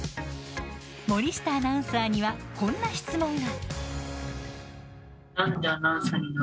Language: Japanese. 森下アナウンサーにはこんな質問が。